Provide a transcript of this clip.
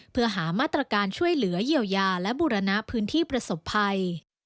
เพื่อหามาตรการช่วยเหลือเยียวยาและบูรณะพื้นที่ประสบภัย